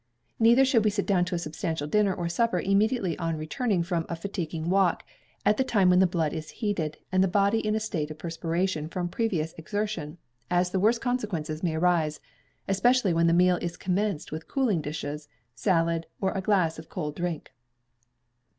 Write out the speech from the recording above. Neither should we sit down to a substantial dinner or supper immediately on returning from a fatiguing walk, at the time when the blood is heated, and the body in a state of perspiration from previous exertion, as the worst consequences may arise, especially when the meal is commenced with cooling dishes, salad, or a glass of cold drink.